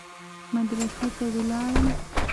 مدرسې ته ولاړم.